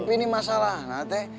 ini masalah nanti